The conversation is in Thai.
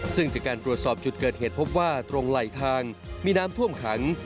ซึ่งจากการตรวจสอบจุดเกิดเหตุพบว่าตรงไหลทางมีน้ำท่วมขัง